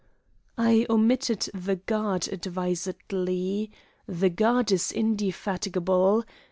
I omitted the guard advisedly. The guard is indefatigable.